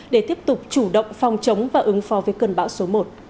để tiếp tục chủ động phòng chống và ứng phó với cơn bão số một